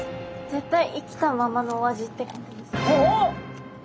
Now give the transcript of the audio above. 絶対生きたままのお味って。